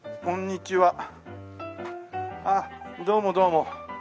あっどうもどうも。